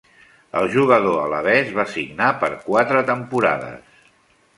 El jugador alabès va signar per quatre temporades.